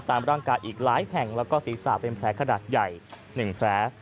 ตามร่างกายอีกหลายแห่งแล้วก็ศีรษะเป็นแผลขนาดใหญ่๑แผล